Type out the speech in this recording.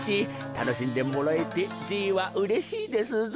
たのしんでもらえてじいはうれしいですぞ。